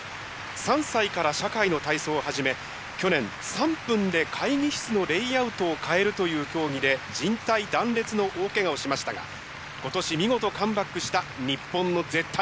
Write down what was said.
３歳から社会の体操を始め去年「３分で会議室のレイアウトを変える」という競技でじん帯断裂の大けがをしましたが今年見事カムバックした日本の絶対王者です。